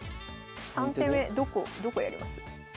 ３手目どこどこやります？